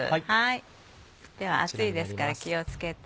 では熱いですから気を付けて。